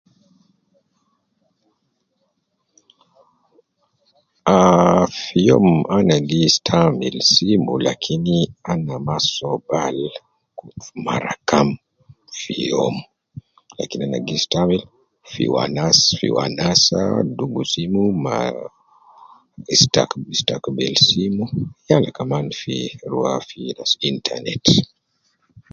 Aaaa fi yom ana giistaamil simu lakin ana ma so bal mara kam fi yom lakin ana gistaamil fi wanas wanasa dugu simu istikbil simu yala ma rwa fi internet